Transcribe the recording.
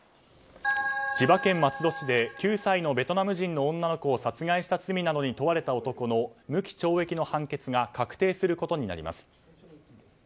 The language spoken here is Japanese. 千葉県松戸市で９歳のベトナム人の女の子を殺害した罪などに問われた男の無期懲役の判決が確定することになります。